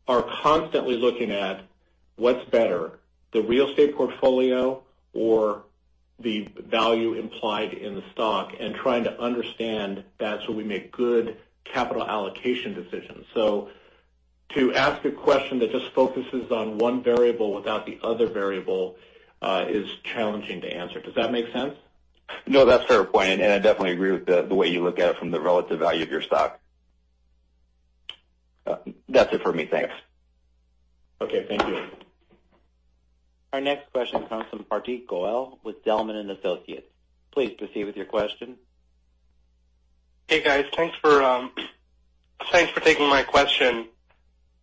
are constantly looking at what's better, the real estate portfolio or the value implied in the stock, and trying to understand that so we make good capital allocation decisions. To ask a question that just focuses on one variable without the other variable, is challenging to answer. Does that make sense? That's fair point, and I definitely agree with the way you look at it from the relative value of your stock. That's it for me. Thanks. Okay. Thank you. Our next question comes from Hardeep Goyal with Delmond & Associates. Please proceed with your question. Hey, guys. Thanks for taking my question.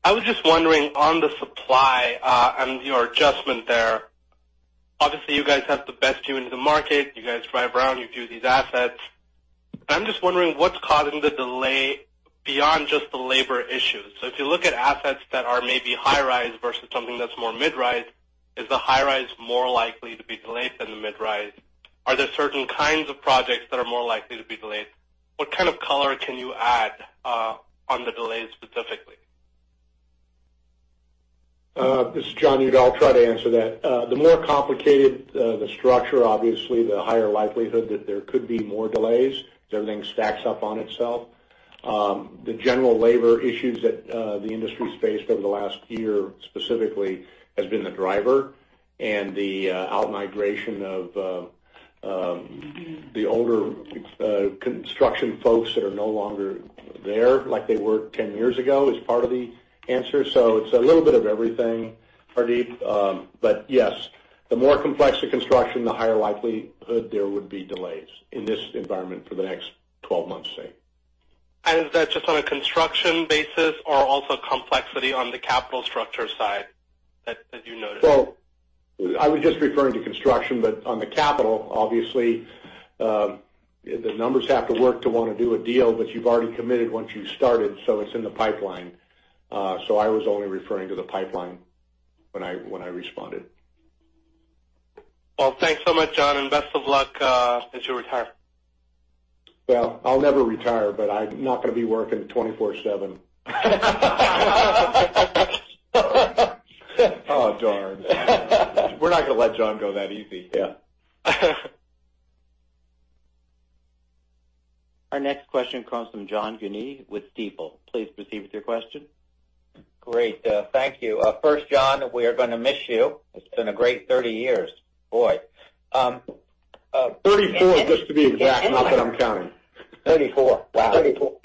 I was just wondering on the supply, and your adjustment there. Obviously, you guys have the best tune to the market. You guys drive around, you view these assets. I'm just wondering what's causing the delay beyond just the labor issues. If you look at assets that are maybe high-rise versus something that's more mid-rise, is the high-rise more likely to be delayed than the mid-rise? Are there certain kinds of projects that are more likely to be delayed? What kind of color can you add on the delays specifically? This is John Eudy. I'll try to answer that. The more complicated the structure, obviously, the higher likelihood that there could be more delays, because everything stacks up on itself. The general labor issues that the industry's faced over the last year specifically has been the driver, and the out-migration of the older construction folks that are no longer there like they were 10 years ago is part of the answer. It's a little bit of everything. Hardeep. Yes, the more complex the construction, the higher likelihood there would be delays in this environment for the next 12 months, say. Is that just on a construction basis or also complexity on the capital structure side that you noticed? Well, I was just referring to construction, but on the capital, obviously, the numbers have to work to want to do a deal, but you've already committed once you've started, so it's in the pipeline. I was only referring to the pipeline when I responded. Well, thanks so much, John, and best of luck as you retire. Well, I'll never retire, but I'm not going to be working 24/7. Oh, darn. We're not going to let John go that easy. Yeah. Our next question comes from John Guinee with Stifel. Please proceed with your question. Great. Thank you. First, John, we are going to miss you. It's been a great 30 years. Boy. 34, just to be exact. Not that I'm counting. 34. Wow. 34.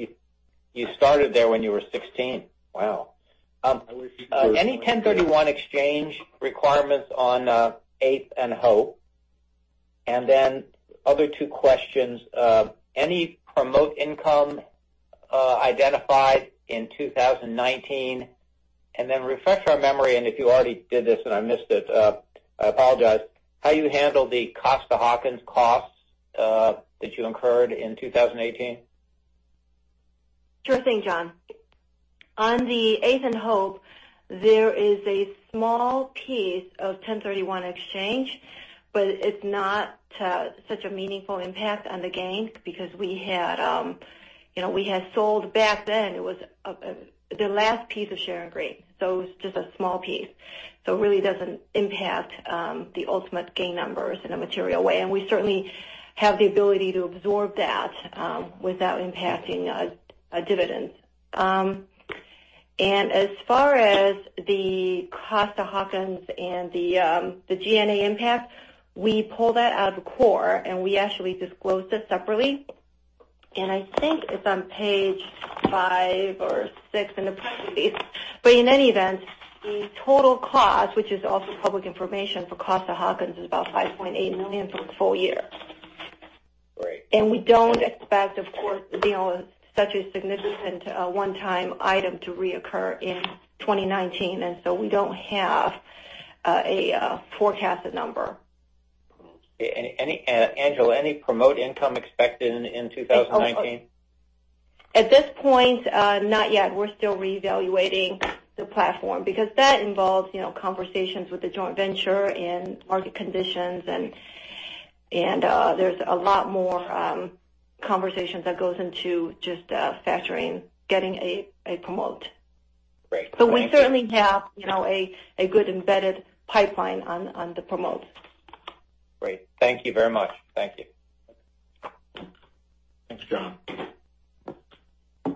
You started there when you were 16. Wow. I wish it was. Any 1031 exchange requirements on 8th and Hope? Other two questions, any promote income identified in 2019? Refresh our memory, and if you already did this and I missed it, I apologize, how you handled the Costa-Hawkins costs that you incurred in 2018? Sure thing, John. On the 8th and Hope, there is a small piece of 1031 exchange, but it's not such a meaningful impact on the gains because we had sold back then. It was the last piece of Sharon Green, so it was just a small piece. It really doesn't impact the ultimate gain numbers in a material way. We certainly have the ability to absorb that without impacting our dividends. As far as the Costa-Hawkins and the G&A impact, we pull that out of core, and we actually disclose that separately. I think it's on page five or six in the press release. In any event, the total cost, which is also public information for Costa-Hawkins, is about $5.8 million for the full year. Great. We don't expect, of course, such a significant one-time item to reoccur in 2019, we don't have a forecasted number. Angela, any promote income expected in 2019? At this point, not yet. We're still reevaluating the platform because that involves conversations with the joint venture and market conditions, and there's a lot more conversations that goes into just factoring getting a promote. Great. We certainly have a good embedded pipeline on the promotes. Great. Thank you very much. Thank you. Thanks, John.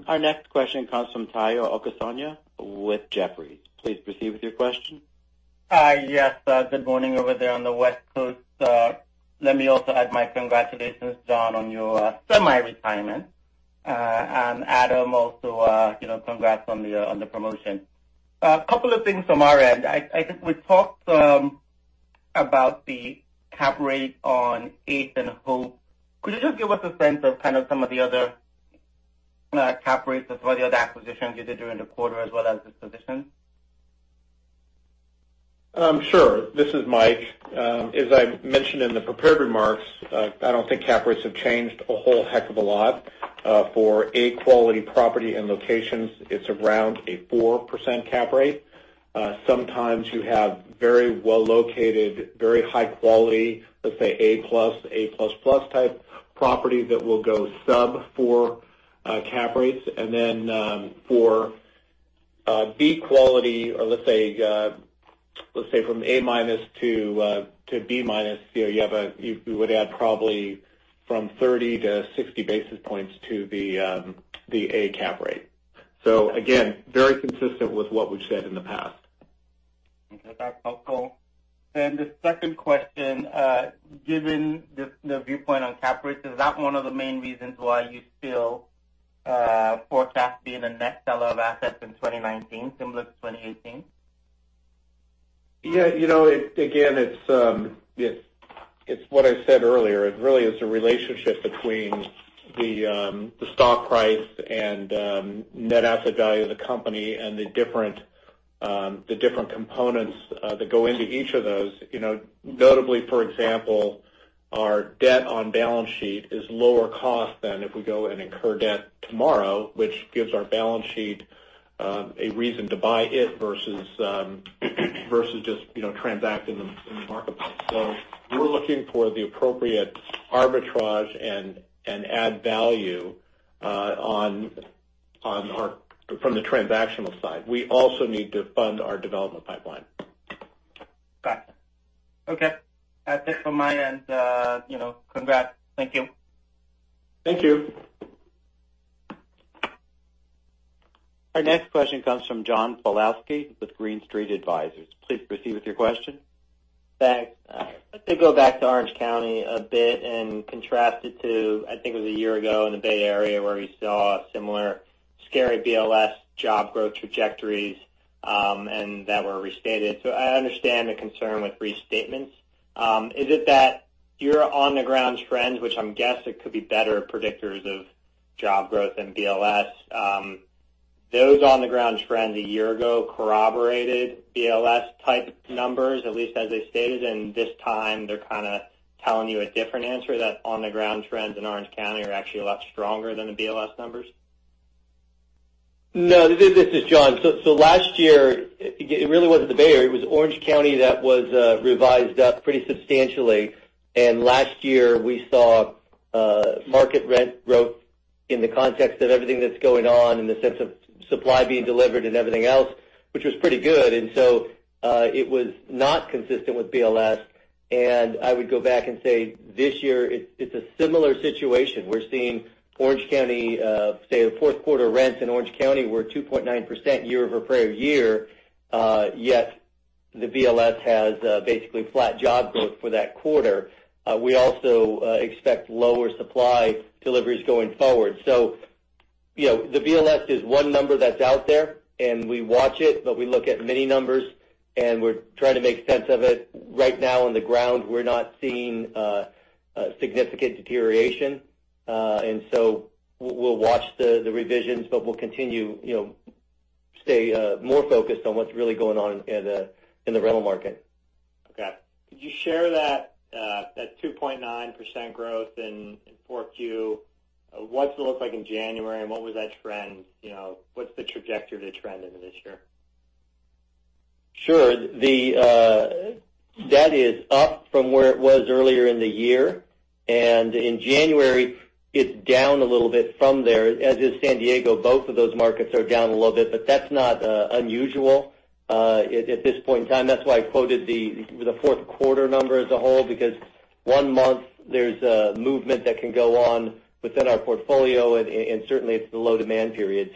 Our next question comes from Tayo Okusanya with Jefferies. Please proceed with your question. Yes. Good morning over there on the West Coast. Let me also add my congratulations, John, on your semi-retirement. Adam, also, congrats on the promotion. A couple of things from our end. I think we talked about the cap rate on 8th and Hope. Could you just give us a sense of kind of some of the other cap rates as well, the other acquisitions you did during the quarter, as well as the positions? Sure. This is Mike. As I mentioned in the prepared remarks, I don't think cap rates have changed a whole heck of a lot. For A-quality property and locations, it's around a 4% cap rate. Sometimes you have very well-located, very high-quality, let's say, A+, A++ type property that will go sub-four cap rates. For B quality or, let's say, from A- to B-, you would add probably from 30-60 basis points to the A cap rate. Again, very consistent with what we've said in the past. Okay, that's all. The second question, given the viewpoint on cap rates, is that one of the main reasons why you're still forecasting a net seller of assets in 2019, similar to 2018? Yeah. Again, it's what I said earlier. It really is the relationship between the stock price and net asset value of the company and the different components that go into each of those. Notably, for example, our debt on balance sheet is lower cost than if we go and incur debt tomorrow, which gives our balance sheet a reason to buy it versus just transacting in the marketplace. We're looking for the appropriate arbitrage and add value from the transactional side. We also need to fund our development pipeline. Got it. Okay. That's it from my end. Congrats. Thank you. Thank you. Our next question comes from John Pawlowski with Green Street Advisors. Please proceed with your question. Thanks. Let me go back to Orange County a bit and contrast it to, I think it was a year ago in the Bay Area, where we saw similar scary BLS job growth trajectories and that were restated. I understand the concern with restatements. Is it that your on-the-ground trends, which I'm guessing could be better predictors of job growth than BLS, those on-the-ground trends a year ago corroborated BLS-type numbers, at least as they stated, and this time, they're kind of telling you a different answer, that on-the-ground trends in Orange County are actually a lot stronger than the BLS numbers? No. This is John. Last year, it really wasn't the Bay Area, it was Orange County that was revised up pretty substantially. Last year, we saw market rent growth in the context of everything that's going on in the sense of supply being delivered and everything else, which was pretty good. It was not consistent with BLS. I would go back and say this year it's a similar situation. We're seeing Orange County, say, the fourth quarter rents in Orange County were 2.9% year-over-prior year, yet the BLS has basically flat job growth for that quarter. We also expect lower supply deliveries going forward. The BLS is one number that's out there, and we watch it, but we look at many numbers, and we're trying to make sense of it. Right now on the ground, we're not seeing significant deterioration. We'll watch the revisions, but we'll continue to stay more focused on what's really going on in the rental market. Okay. Could you share that 2.9% growth in 4Q? What's it look like in January, and what was that trend? What's the trajectory of the trend into this year? Sure. That is up from where it was earlier in the year. In January, it's down a little bit from there, as is San Diego. Both of those markets are down a little bit, but that's not unusual at this point in time. That's why I quoted the fourth quarter number as a whole, because one month, there's a movement that can go on within our portfolio, and certainly it's the low-demand period.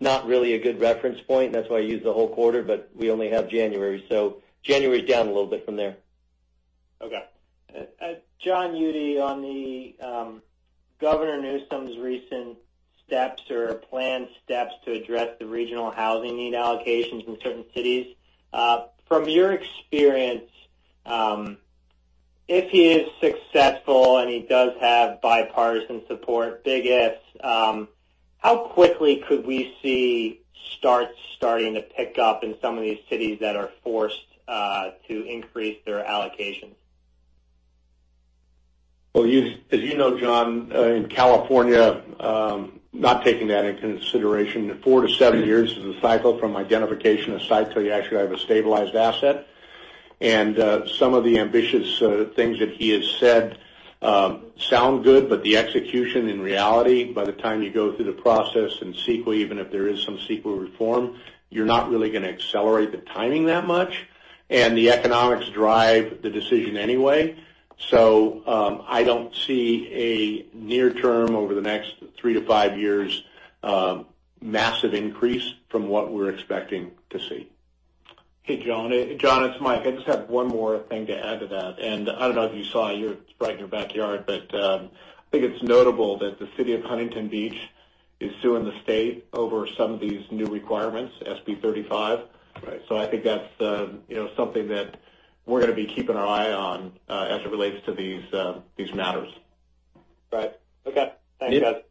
Not really a good reference point. That's why I used the whole quarter, but we only have January. January is down a little bit from there. Okay. John Eudy, on Governor Newsom's recent steps or planned steps to address the regional housing need allocations in certain cities, from your experience, if he is successful and he does have bipartisan support, big ifs, how quickly could we see starts starting to pick up in some of these cities that are forced to increase their allocations? Well, as you know, John, in California, not taking that into consideration, four to seven years is a cycle from identification of site till you actually have a stabilized asset. Some of the ambitious things that he has said sound good, but the execution in reality, by the time you go through the process and CEQA, even if there is some CEQA reform, you're not really going to accelerate the timing that much. The economics drive the decision anyway. I don't see a near term, over the next three to five years, massive increase from what we're expecting to see. Hey, John. John, it's Mike. I just have one more thing to add to that. I don't know if you saw, you're right in your backyard, but I think it's notable that the city of Huntington Beach is suing the state over some of these new requirements, SB 35. Right. I think that's something that we're going to be keeping our eye on as it relates to these matters. Right. Okay. Thanks, guys.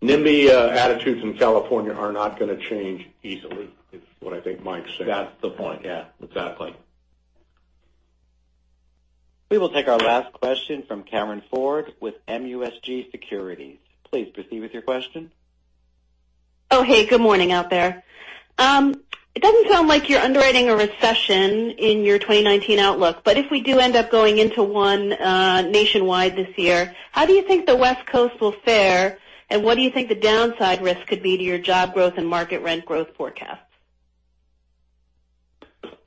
NIMBY attitudes in California are not going to change easily, is what I think Mike's saying. That's the point. Yeah. Exactly. We will take our last question from Karin Ford with MUFG Securities. Please proceed with your question. Oh, hey. Good morning out there. It doesn't sound like you're underwriting a recession in your 2019 outlook. If we do end up going into one nationwide this year, how do you think the West Coast will fare, and what do you think the downside risk could be to your job growth and market rent growth forecasts?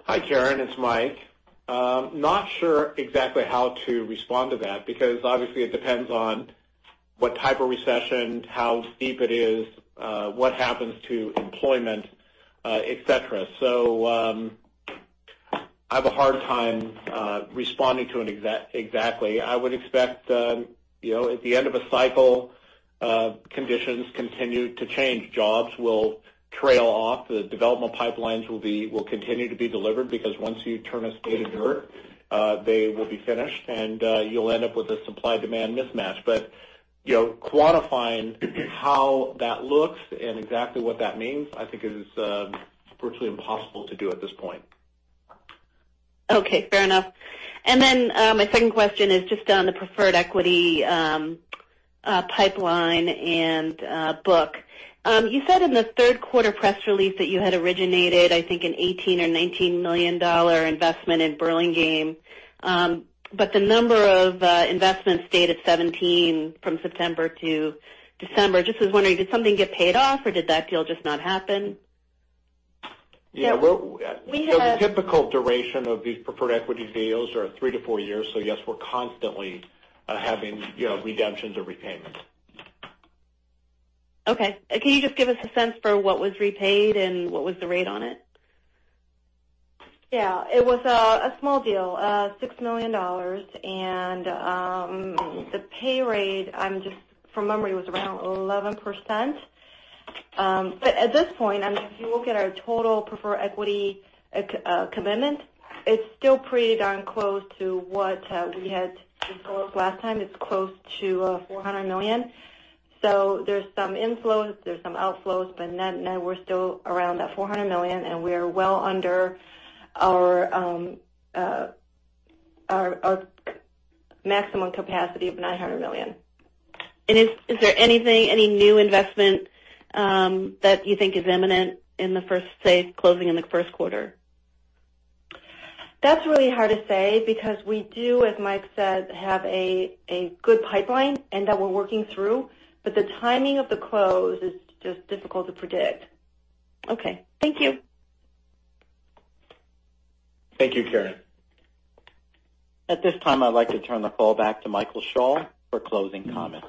Hi, Karin. It's Mike. Not sure exactly how to respond to that because obviously it depends on what type of recession, how steep it is, what happens to employment, et cetera. I have a hard time responding to it exactly. I would expect at the end of a cycle, conditions continue to change. Jobs will trail off. The development pipelines will continue to be delivered because once you turn a spade of dirt, they will be finished, and you'll end up with a supply-demand mismatch. Quantifying how that looks and exactly what that means, I think is virtually impossible to do at this point. Okay. Fair enough. My second question is just on the preferred equity pipeline and book. You said in the third quarter press release that you had originated, I think, an $18 million or $19 million investment in Burlingame, but the number of investments stayed at 17 from September to December. Just was wondering, did something get paid off, or did that deal just not happen? Yeah. We had- The typical duration of these preferred equity deals are three to four years, yes, we're constantly having redemptions or repayments. Okay. Can you just give us a sense for what was repaid and what was the rate on it? Yeah. It was a small deal, $6 million. The pay rate, from memory, was around 11%. At this point, if you look at our total preferred equity commitment, it's still pretty darn close to what we had in quotes last time. It's close to $400 million. There's some inflows, there's some outflows, net-net, we're still around that $400 million, and we're well under our maximum capacity of $900 million. Is there any new investment that you think is imminent in the first, say, closing in the first quarter? That's really hard to say because we do, as Mike said, have a good pipeline and that we're working through, but the timing of the close is just difficult to predict. Okay. Thank you. Thank you, Karin. At this time, I'd like to turn the call back to Michael Schall for closing comments.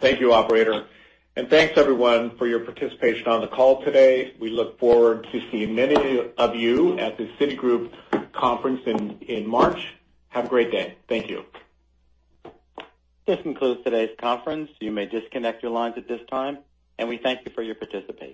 Thank you, operator. Thanks everyone for your participation on the call today. We look forward to seeing many of you at the Citigroup conference in March. Have a great day. Thank you. This concludes today's conference. You may disconnect your lines at this time. We thank you for your participation.